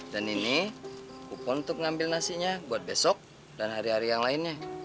dan ini kupon untuk ngambil nasinya buat besok dan hari hari yang lainnya